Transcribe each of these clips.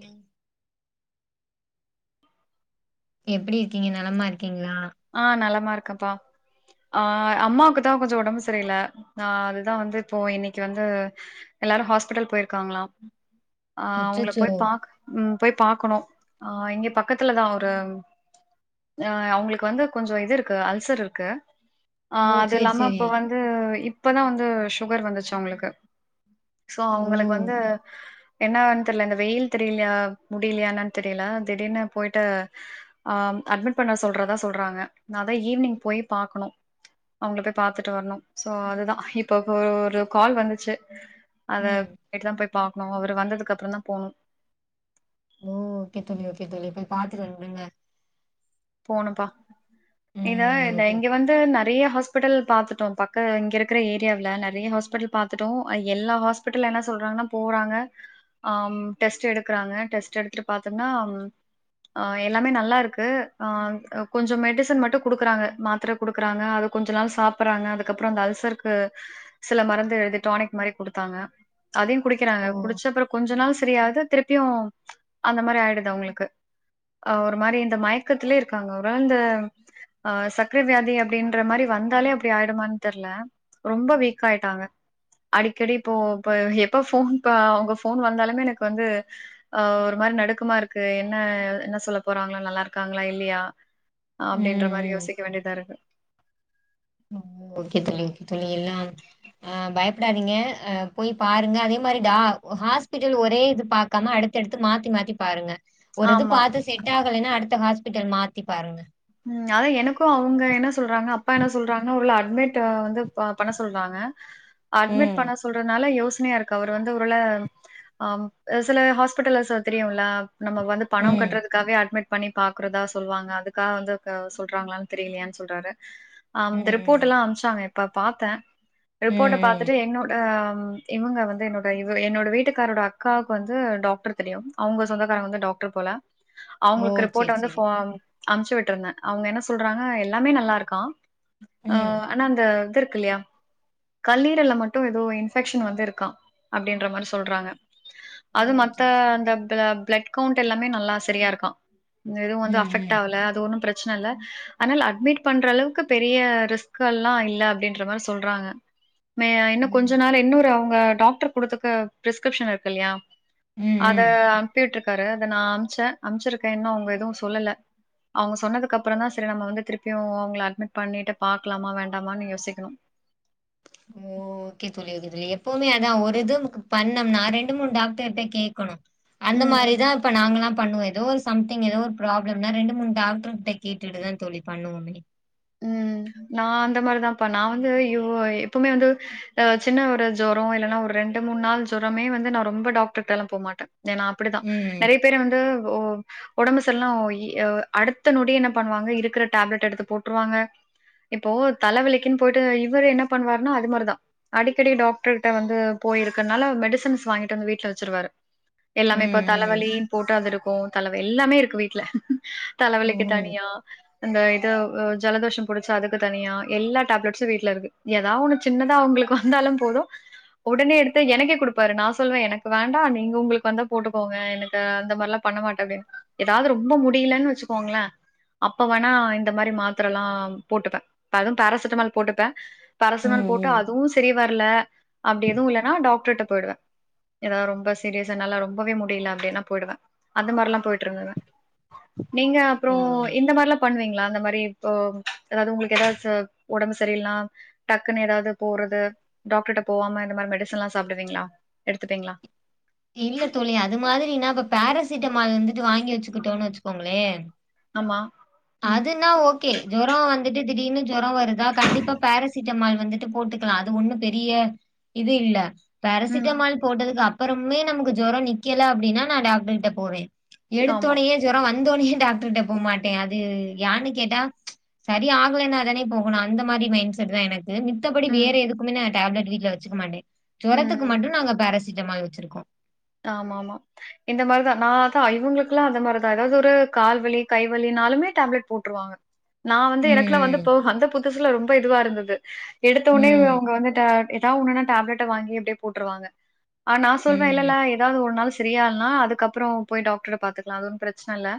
ம் எப்பிடி இருக்கிங்க நலமா இருக்கிங்ளா இருக்கம்பா ஆ அம்மாக்குதா கொஞ்ச ஒடம்பு சரியில்ல ஆ அதுதா வந்து இப்போ இன்னைக்கு வந்து எல்லாரு ஹாஸ்பிடல் போயிருக்காங்ளா அ அவுங்கள அச்சச்சோ போய் பா போய் பாக்கணு அ இங்க பக்கத்துல தா ஒரு ம் அவங்களுக் க்கு வந்து கொஞ்சோ இது இருக்கு அல்சர் இருக்கு, அ, ஓ அது சேரி இல்லாம சேரி இப்ப வந்து இ ப்பதா வந்து சுகர் வந்துச்சு அவங்களுக்கு சோ ஓ அவங்களுக்கு வந்து என்னான்னு தெர்ல இந்த வெயில் தெரிலியா முடிலியா என்னானு தெரில திடீர்னு போயிட்டு ஆ அட்மிட் பண்ண சொல்றதா சொல்றாங்க அதா ஈவ்னிங் போய் பாக்ணு அவங்கள போய் பாத்துட்டு வரணு சோ அதுதா இப்ப இப்ப ஒரு கால் வந்துச்சு அத ம் போய்ட்டுதா போய் பாக்குணு அவரு வந்ததுக்கு அப்பறந்தா போணு ஓ ஓகே தோழி ஓகே தோழி போய் பாத்துட்டு வந்துருங்க போணும்ப்பா இத ம் இந்த ஓகே இங்க வந்து ந நறைய ஹாஸ்பிட்டல் பாத்துட்டோ பக்க இங்க இருக்கிற ஏரியாவுல நறைய ஹாஸ்பிட்டல் பாத்தட்டோ எல்லா ஹாஸ்பிட்டல்ல என்ன சொல்றாங்கன்னா போறாங்க ஆ, டெஸ்ட் எடுக்கறாங்க டெஸ்ட் எடுத்துட்டு பாத்தோம்னா அ, எல்லாமே நல்லா இருக்கு ஆ, கொஞ்சோ மெடிசன் மட்டு குடுக்றாங்க மாத்தர குடுக்குறாங்க அது கொஞ்ச நாள் சாப்புட்றாங்க அதுக்கப்றோ அந்த அல் ல்சர்க்கு சில மருந்து எழுதி டானிக் மாரி குடுத்தாங்க அதையு குடிக்கிறாங்க ஓ குடிச்சப்றோ கொஞ்ச நாள் சரியாவுது திருப்பியு அந்த மாரி ஆயிடுது அவங்களுக்கு அ, ஒரு மாரி இந்த மயக் க்கத்துலயே இருக்காங்க, ஒருவேள இந்த அ, சக்கரவியாதி அப்டின்ற மாரி வந்தாலே அப்டி ஆயிடுமான்னு தெர்ல ரொம்ப வீக் ஆயிட்டாங்க அடிக்கடி இப்போ இப்ப எப்ப ஃபோன் ப அவங்க ஃபோன் வந்தாலுமே எனக்கு வந்து அ ஒரு மாரி நடுக்கமா இருக்கு, என்ன என்ன சொல்ல போறாங்களோ நல்லா இருக்கு க்காங்களா இல்லையா ம் அப்டின்ற மாரி யோசிக்க வேண்டியதா இரு ம், ஒகே தோழி, தோழி எல்லா அ பயப்படாதீங்க அ போய் பாருங்க அதே மா மாரி டா ஹாஸ்பிட்டல் ஒரே இது பாக்காம அடுத்தடுத்து மாத்தி மாத்தி பாருங்க ஒரு இது ஆமா. பாத்து செட் ஆகலைன்னா அடுத்த ஹாஸ்பிட்டல் மாத்தி பாருங்க ம், அதா எனக்கு அவங்க என்ன சொல்றாங்க அப்பா என்ன சொல்றாங்கன்னா ஒருவேள அட்மிட் வந்து பண்ண சொல்றாங்க அட்மிட் ம் பண்ண சொல்றதுனால யோசி பிரச்சனையா இருக்கு அவரு வந்து ஒரு வேல ஆ சில ஹாஸ்பிட்டல்ஸ்ச தெரியுல்ல நம்ம வந்து பணம் ம் கட்டுறதுக்காகவே அட்மிட் பண்ணி பாக்குறதா சொல்லுவாங்க அது க்காவ வந்து க சொல்றாங்களானு தெரிலியானு சொல்றாரு ஆ ம் அந்த ரிப்போர்ட் ம் எல்லா அம்ச்சாங்க இப்ப பாத்த ம் ரிப்போர்ட ம் பாத்துட்டு என்னோட ம், இவங்க வந்து என்னோட இ என்னோட வீட்டுக்காரோட அக்காவுக்கு வந்து டாக்டர தெரியு அவங்க சொந்தக்காரங்க வந்து டாக் ட்ரு போல ஓ அவங்களுக்கு ரிப்போர்ட சேரி வந்து சேரி ஃபோ அம்ச்சு விட்டுருந்த அவங்க என்ன சொல்றாங்க எல்லாமே நல்லா இருக்கா ஆ ம் ஆனா அந்த இது இருக்கு இல்லையா கல்லீரல்ல மட்டு ஏதோ இன்ஃபெக்ஷன் வந்து இருக்கா அப்டின்ற மாரி ஓ சொல்றாங், ஓ அது மத்த சேரி சேரி அந்த பிள பிளட் கெளண்ட் எல்லாமே நல்லா சரியா இருக்ககா எதுவு ம், வந்து அஃபெக்ட் ம். ஆவல. அது ஒன்னு பிரச்சன இல்ல ஆனால் அட்மிட் பண்ற அளவுக்கு பெரிய ரிஸ்க்கு எல்லா இல்ல அப்டின்ற மாரி சொல்றா றாங்க மே இன்னு கொஞ்ச ம். நாள் இன்னொரு அவங்க டாக்டர் குடுத்துருக்க பிரிஸ்கிரிப்ஷன் இருக்கு இல்லையா ம், அத ம். அனுப்பி விட்டுருக்காரு அத நா அம்ச்சே அமுச்சிருக்கே இன்னு அவங்க எதுவு சொல்லல அவங்க சொன்னதுக்கு அப்றந்தா சரி நம்ம வந்து திருப்பியு அவங்கள அட்மிட் பண்ணிட்டு பாக்கலாமா வேண்டாமான்னு யோசிக்கணு ஓ, ஓகே தோ தோழி அது எப்பவுமே அதா ஒரு இது பண்ணம்னா ரெண்டு மூணு டாக்டர்ட்ட கேக்கணு அந்த ம். மாரிதா இப்ப நாங்கல்லா பண்ணுவோ ஏதோ ஒரு சம்திங் ஏதோ ஒரு ப்ராப்ளம்னா ரெண்டு மூணு டாக்டர்கிட்ட கேட்டுட்டுதா தோழி பண்ணுவோமே ம் நா அந்த மாரிதாப்பா நா வந்து இவ் எப்பவுமே வந்து அ சின்ன ஒரு ஜொரோ இல்லன்னா ஒரு ரெண்டு மூணு நாள் ஜொரமே வந்து நா ரொம்ப டாக்டர்ட்டலா போமாட்ட நா அப்டித்தா ம், நறைய பேர் வந்து ஓ ஒடம்பு சரில்லனா ஓ இ அடுத்த நொடியே என்ன பண்ணுவாங்க இருக்ற டேப்லெட் எடுத்து போட் ட்ருவாங்க இப்போ தலவலிக்கின் போய்ட்டு இவரே என்ன பண்ணுவார்னா அது மாரிதா அடிக்கடி டாக்டர் கிட்ட வந்து போ போய்ருக்கனால மெடிசின்ஸ் வாங்கிட்டு வந்து வீட்ல வச்சுருவாரு ம், எல்லாமே இப்ப ம். தலவலீ போட்டு அதுருக்கு தல வெல்லாமே இருக்கு வீட்ல ஓ! தலவலிக்கு தனியா இந்த இது ஜலதோஷ புடிச்சா அதுக்கு தனியா எல்லா டேப்லெட்ஸு வீட்லருக்கு எதா ஒண்ணு சின்னதா அவுங்களுக்கு வந்தாலு போதும் உடனே எடுத்து எனக்கே குடுப்பாரு நா சொல்வே எனக்கு வேண்டா நீங்க உங்களுக் வந்தா போட்டுகோங்க எனக்கு அந்த மாரிலா பண்ண மாட்டாரு எதாவது ரொம்போ முடியலன் வச்சுக்கோங்ளே அப்ப வேணா இந்த மாரி மாத் த்ரல்லா போட்டுப்பே ப்ப அதும் பேராசிட்டமல் போட்டுப்பே பேராசிமல் ம், போட்டு ம். அதுவு செரி வர்ல அப்டி எதுவு இல்லனா டாக்டர்ட்ட போய்டுவே எதா ரொம்ப சீரியஸ் என்னால ரொம்பவே முடியல அப்டினா போய்டுவே அந்த மாரிலா போயிட்ருந்துருவே நீங்க ஓ! அப்றோ இந்த மார்லா பண்ணுவீங்ளா அந்த மாரி ஓ எதாவது உங்களுக்கு ஏதாவது சோ ஒடம்பு சரியில்னா டக்குனு ஏதாவது போறது டாக்டர்ட் ட போவாம இந்த மாரி மெடிசன்லா சாப்டுவீங்ளா எடுத்துப்பீங்ளா இல்ல தோழி அது மாதிரினா இப்ப பேரசிட்டமால் வந்துட்டு வாங்கி வச்சுக்குட்டோனு வச்சுக்கோங்ளே ஆமா ம் கே ஜொரோ வந்துட்டு திடீர்னு ஜொரோ வருதா கண்டிப்பா பேரசிட்டமால் வந்துட்டு போட்டுக்லா அது ஒண்ணு பெரிய இது இல்ல ம் பேரசிட்டமால் போட்டதுக்கு அப்புறமே நமக்கு ஜொரோ நிக்கில அப்டினா நா டாக்டர் கிட்ட போவே ஆமா எடுத்தோனையே ஜொரோ வந்தோனயே டாக்டர்ட்ட போ மாட்டே அது யானு கேட்டா சரி ஆகலன்னா தானே போகணு அந்த மாரி மைண் செட் தா எனக் கு மித்தபடி ம் வேற எதுக்குமே நா டேப்லெட் வீட்ல வச்சுக்க மாட்டே ஜொரத்துக்கு ம் மட்டு நாங்க பேரசிட்டமால் வச்சிரு ஆமா ஆமா இந்த மார்தா நா அதா இவுங்ளுக்ல்லா அந்த மாரிதா ஏதாவது ஒரு கால் வலி கை வலின் னாலுமே டேப்லெட் போட்ருவாங்க நா வந்து எனக்ல்லா வந்து ம். போ வந்த புதுசுல ரொம்ப இதுவா இருந்தது எடுத்த ஒன்னே ம். அவுங்க வந்து ட எதா ஒன்னுனா டேப்லெட்ட வாங்கி அப்டியே போட்ருவாங்க ஆ நா சொல்வே இல்லல்ல ம். ஏதாவது ஒரு நாள் சரியால்னா அதுக்கப்றோ போய் டாக்டர பாத்துக்லா அது ஒன்னு பிரச்ன இல்ல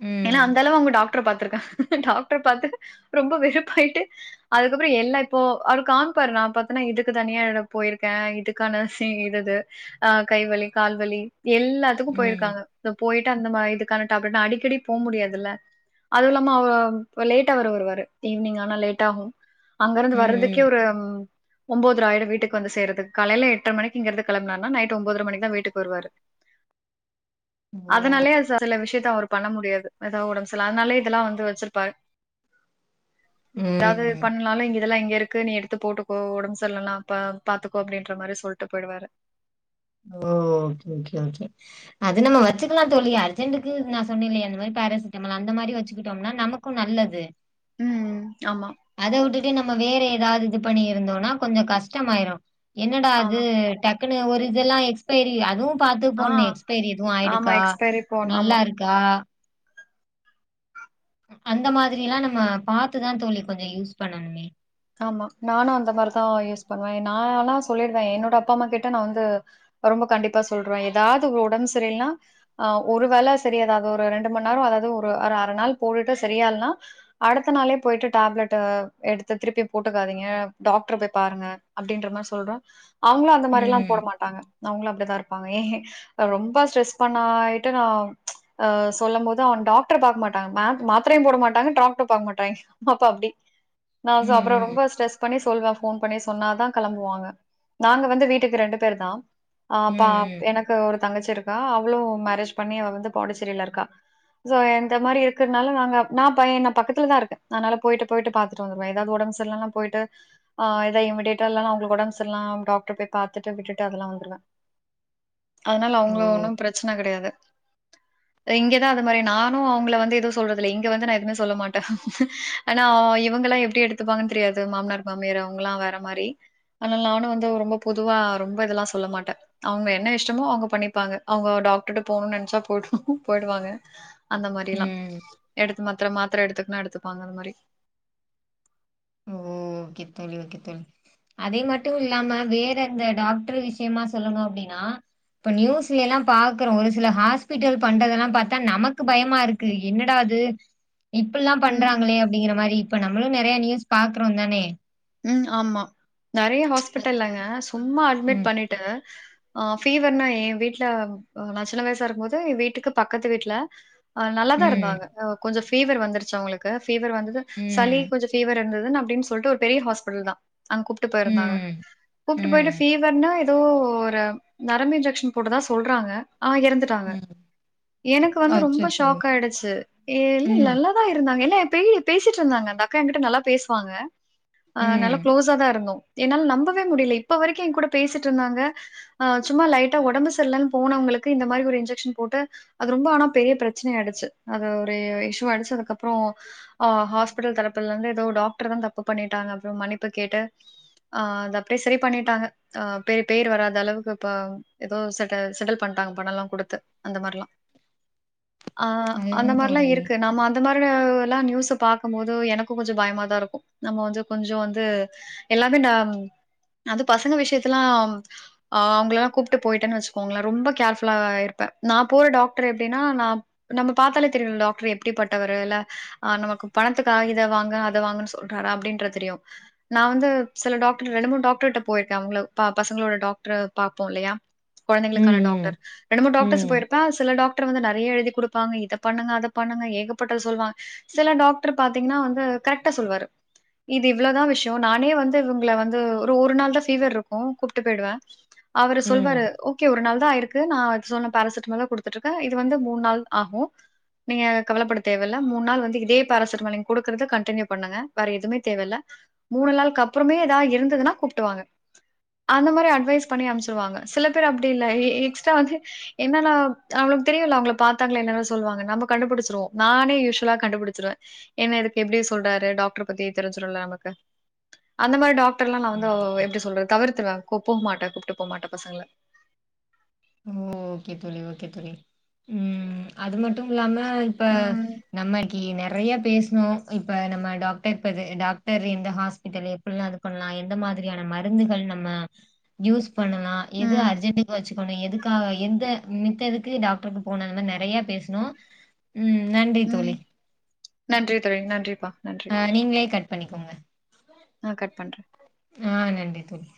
ம். ஏனா அந்த ம். அளவு உங்க டாக் டர பாத்ருக்கே டாக்டர் பாத்துட்டு ரொம்ப வெருப்பாயிட்டு அதுக்கப்றோ எல்லா இப்போ அவரு காம் ப்பாரு நா பாத்தனா இதுக்கு தனியா இட போயிருக்கே இதுக்கான சி இது இது ஆ கை வலி கால் வலி எல்லாத்துக்கு ம். போய்ருக்காங்க போயிட்டு அந்த மா இதுக்கான டேப்லெட் நா அடிக்கடி போ முடியாதில்ல அதுல்லாம அவ லேட்டா வேற வருவாரு ஈவினிங் ஆனா லேட்டாகு அங்கருந்து வர்றதுக்கே ம். ஒரு ஒம்போதர ஆயிரு வீட்டுக் வந்து சேறதுக் காலைல எட்ர மணிக் இங்கருந்து கெளம்னானா நைட் டு ஒம்போதர மணிக்குதா வீட்டுக் வருவாரு ஓ! அதனாலே ச சில விஷியத்த அவரு பண்ண முடியாது எதா ஒடம் சர்ல அதனாலே இதெல்லா வந்து வச்சிருப்பாரு எதாவது ம். பண்லாலு இங்க இதெல்லா இங்க ட்ருக்கு நீ எடுத்து போட்டுக்கோ ஒடம் செர்ல்லலாபா பாத்துக்கோ அப்டின்ற மாரி சொல்ட்டு போய்டுவாரு அது நம்ம வச்சுக்கலா தோழி அர்ஜென்டுக்கு நா சொன்னேல்லியா அந்த மாரி பேரசிட்டமால் அந்த மாரி வச்சுக்கிட்டோனா நமக்கு நல்லது ம் ஆமா தே நம்ம வேற எதாவது இது பண்ணி இருந்தோனா கொஞ்ச கஷ்டமாயிரு என்னடா அது ஆமா. டக் குனு ஒரு இதெல்லா எக்ஸ்பைரி அதுவு பாத்து ஆ போண்ணே எக்ஸ்பைரி எதுவு ஆமா ஆயிடுக்கா எக்ஸ்பைரி போன் ஆமா. நல்லாருக்கா அந்த மாதிரி எல்லா நம்ம பாத்துதா தோழி கொஞ்ச யூஸ் பண்ணணுமே ஆமா நானு அந்த மார்தா யூஸ் பண்வே நா ஆனா சொல்லிடுவே என்னோட அப்பா அம்மா கிட்ட நா வந்து ரொம்ப கண்டிப்பா சொல்ற எதாவது ஒடம் சரியில்னா ஆ ஒரு வேல சரி எதாவது ஒரு ரெண்டு மண் நேரோ அதாவது ஒரு அற அற நாள் போட்டுட்டு சரியால்னா அடுத்த நாளே போயிட்டு டேப்லெட்டு எடுத் து திருப்பியு போட்டுக்காதீங்க டாக்டர போய் பாருங்க அப்டின்ற மார் சொல்றோ அவுங்ளு அந்த மாரில்லா போட ம். மாட்டாங்க அவுங்களும் அப்டித்தான் இருப்பாங்க ஏன் ரொம்ப ஸ்ட்ரெஸ் பண்ணாயட்டு நான் ஆஹ் சொல்லும் போது அவன் டாக்டர் பாக்க மாட்டாங்க மேம் மாத்திரையும் போட மாட்டாங்க டாக்டர் பாக்க மாட்டாங்க அப்ப அப்டி நான் அப்புறம் ம், ம். ரொம்ப ஸ்ட்ரெஸ் பண்ணி சொல்வே ஃபோன் பண்ணி சொன்னாதான் கிளம்புவாங்க நாங்க வந்து வீட்டுக்கு ரெண்டு பேர் தான் ஆஹ் ம், அப்ப ம். எனக்கு ஒரு தங்கச்சி இருக்கா அவளும் மேரேஜ் பண்ணி அவ வந்து பாண்டிசேரியில இருக்கா சோ இந்த மாரி இருக்கிறதுனால நாங்க நான் பையன் என்ன பக்கத்துலதான் இருக்கே அதனால போயிட்டு போயிட்டு பாத் துட்டு வந்துருவேன் ஏதாவது உடம்பு சிரியில்லைனா போயிட்டு ஆ ஏதா இம்மீடியட்டா இல்லனா உடம்பு சரியில்லன்னா டாக்டர போய் பாத்துட்டு விட்டுட்டு அதெல்லாம் வந்துருவேன் அதனால ஓ! அவுங்கள ஒன்னும் பிரச்சன கிடையாது இங்கதான் அது மாதிரி நானும் அவுங்கள வந்து எதுவும் சொல்றது இல்ல இங்க வந்து நா எதுவுமே சொல்ல மாட்டேன் ஆனா இவுங்கல்லாம் எப்டி எடுத்துப்பாங்கன்னு தெரியாது மாமனார் மாமியார் அவுங்கலாம் வேற மாரி அதனால நானும் வந்து ரொம்ப பொதுவா ரொம்ப இதெல்லா சொல்ல மாட்டே அவுங்க என்ன இஷ்டமோ அவுங்க பண்ணிப்பாங்க அவுங்கோட டாக்டர்ட போணும்னு நினச்சா போயி போயிடுவாங்க அந்த மாரி எல்லா ம். எடுத்து மாத்திர மாத்திர எடுத்துக்குன்னா எடுத்துப்பாங்க அந்த மாதிரி ஓ! ஓகே தோழி ஓகே தோழி அதே மட்டும் இல்லாம வேற அந்த டாக்டர் விஷயமா சொல்லணு அப்படின்னா இப்ப நியூஸ்ல எல்லாம் பாக்குறோம் ஒரு சில ஹாஸ்பிட்டல் பண்றதெல்லாம் பாத்தா நமக்கு பயமா இருக்கு என்னடா இது இப்டில்லாம் ம். பண்றாங்களே அப்படிங்கிற மாதிரி இப்ப நம்மளும் நிறைய நியூஸ் பாக்குறோம் தானே ம் ஆமா நிறைய ஹாஸ்பிட்டல்லங்க சும்மா அட்மிட் ம் பண்ணிட்டு ஆஹ் ஃபீவர்னா ஏ வீட்ல நா சின்ன வயசா இருக்கும்போது என் வீட்டுக்கு பக்கத்து வீட்ல ஆஹ் நல்லாதான் ம் இருந்தாங்க கொஞ்சம் ஃபீவர் வந்துருச்சு அவுங்களுக்கு ஃபீவர் வந்தது சளி ம் கொஞ்ச ஃபீவர் இருந்தது அப்டின்னு சொல்லிட்டு ஒரு பெரிய ஹாஸ்பிட்டல் தான் அங்க கூப்ட்டு போயிருந்தாங்க ம் கூப்ட்டு போய்ட்டு ம் ஃபீவர்னா எப் ஏதோ ஒரு நரம்பு இன்ஜெக்க்ஷன் போட்டதா சொல்றாங்க ஆஹ் இறந்துட்டாங்க ம் எனக்கு வந்து ரொம்ப அச்சோ ஷாக் ஆயிடுச்சு இல்லல ம் நல்லாதா இருந்தாங்க இல்ல பே பேசிட்டு இருந்தாங்க அந்த அக்கா என்கிட்ட நல்லா பேசுவாங்க அஹ் நல்லா ம் க்ளோஸா தா இருந்தோம் என்னால நம்பவே முடியல இப்ப வரைக்கும் என் கூட பேசிட்டு இருந்தாங்க ஆஹ் சும்மா லைட்டா உடம்பு சரியில்லன்னு போனவுங்க எதுக்கு இந்த மாரி ஒரு இன்ஜெக்க்ஷன் போட்டு அது ரொம்ப ஆனா பெரிய பிரச்சனை ஆயிடுச்சு அது ஒரு இஷ்யூ ஆயிடுசு அதுக்கப்புறம் உம் ஆஹ் ஹாஸ்பிட்டல் தரப்புல இருந்து ஏதோ டாக்டர் தான் தப்பு பண்ணிட்டாங்க அப்றோ மன்னிப்பு கேட்டு ஆஹ் அது அப்டியே சரி பண்ணிட்டாங்க அஹ் பெர் பேர் வராத அளவுக்கு இப்ப ஏதோ செட்டில் செட்டில் பண்டாங்க ஆஹ் பணம் எல்லாம் கொடுத்து அந்த மாரிலாம் அஹ் அந்த அதுதான் மாரிலாம் தோழி இருக்கு நாம்ம அந்த மாரி எல்லா நியூஸ் பாக்கும் போது எனக்கும் கொஞ்சம் பயமாதான் இருக்கும் நம்ம வந்து கொஞ்சம் வந்து எல்லாமே ந அது பசங்க விஷயத்துல்லாம் அஹ் அவுங்க எல்லாம் கூப்பிட்டு போயிட்டேன்னு வச்சுக்கோங்களேன் ரொம்ப கேர்ஃபுல்லா இருப்ப நா போற டாக்டர் எப்டின்னா ந நம்ம பாத்தாலே தெரியுல டாக்டர் எப்படிப்பட்டவர் இல்ல நமக்கு பணத்துக்காக இத வாங்கு அத வாங்குன்னு சொ சொல்ராற அப்டின்றது தெரியும் நா வந்து சில டாக்டர் ரெண்டு மூணு டாக்டருட்ட போயிருக்கேன் அவுங்க பசங்களோட டாக்டர் பாப்போம் இல்லயா குழந்தைளுக்கான டாக்டர் ம் ரெண்டு மூணு ம் டாக்டர் டாக்டர்ஸ் ம் போயிருப்பே சில டாக்டர் வந்து நிறைய எழுதி கொடுப்பாங்க இத பண்ணுங்க அத பண்ணுங்க ஏகப்பட்டது சொல்லுவாங்க சில டாக்டர் டாக்டர் பாத்தீங்கன்னா வந்து கரெக்ட்டா சொல்லுவாரு இது இவ்ளோதான் விஷயம் நானே வந்து இவுங்கள வந்து ஒரு ஒரு நாள் தான் ஃபீவர் இருக்கும் கூப்ட்டு போயிடுவே அவரு ம் சொல்வாரு ஓகே ஒரு நாள் தான் ஆயிருக்கு நா சொன்ன பாரசிட்டமல கொடுத்துட்டு இருக்கேன் இது வந்து மூணு நாள் ஆகும் நீங்க கவலப்பட தேவயில்ல மூணு நாள் வந்து இதே பாரசிட்டமலிங் குடுக்குறது கண்டினியூ பண்ணுங்க வேற எதுமே தேவயில்ல மூணு நாள்க்கு அப்புறமே ஏதாவது இருந்ததுன்னா கூப்ட்டுவாங்க அந்த மாரி அட்வைஸ் பண்ணி அனுப்ச்சுடுவாங்க சில பேர் அப்டி இல்ல எ எ எக்ஸ்ட்ரா வந்து என்ன அப்புறம் தெரியல அவுங்கள பாத்தாலே என்னென்ன சொல்லுவாங்க நம்ம கண்டுபிடிச்சுருவோம் நானே யூுஸ்வலா கண்டுபிடிச்சுருவேன் என்ன ஏதுக் இப்டி சொல்றாரு டாக்டரு பத்தி தெரிஞ்சிடும்ல நமக்கு அந்த மாரி டாக்டர்லா நா ம் வந்து எப்டி சொல்றது தவிர்த்திடுவ போ போமாட்ட கூப்புட்டு போமாட்ட பசங்கள ஓ ஓகே தோழி ஓகே தோழி ம் அது மட்டும் இலாம ஆ இப்ப ம் நமக்கி நெ நெறைய பேசணு இப்ப நம்ம டாக்டர் பரு டாக்டர் எந்த ஹாஸ்பிட்டலு எப்டிலா இருக்குனு நா எந்த மா திரியான மருந்துகள் நம்ம யூஸ் பன்னலா எது ம் அர்ஜன்டுக்கு வச்சிக் குனு எதுக்காக எத்த மித்ததுக்கு டாக்டருக்கு போனாங்கனா நெறைய பேசனு ம் நன்றி தோழி நன்றிப்பா ஆ நீங்க்ளே கட் பண்ணிக்கோங்க நா கட் பண்ற ஆ நன்றி தோழி